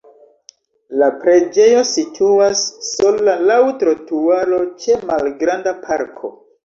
La preĝejo situas sola laŭ trotuaro ĉe malgranda parko.